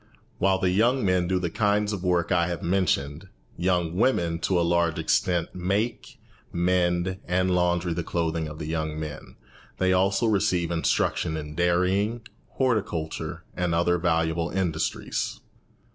While the young men do the kinds of work I have mentioned, young women to a large extent make, mend, and laundry the clothing of the young men. They also receive instruction in dairying, horticulture, and other valuable industries.